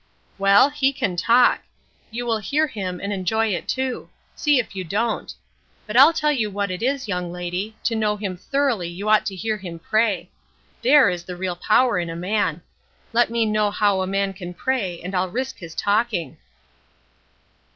"Well, he can talk; you will hear him, and enjoy it, too; see if you don't. But I'll tell you what it is, young lady, to know him thoroughly you ought to hear him pray! There is the real power in a man. Let me know how a man can pray and I'll risk his talking."